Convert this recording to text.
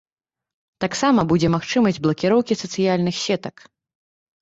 Таксама будзе магчымасць блакіроўкі сацыяльных сетак.